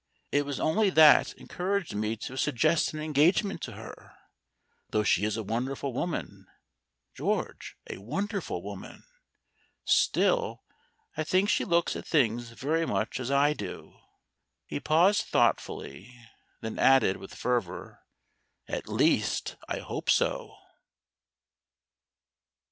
It was only that encouraged me to suggest an engagement to her. Though she is a wonderful woman, George a wonderful woman. Still, I think she looks at things very much as I do." He paused thoughtfully. Then added with fervour, "At least I hope so."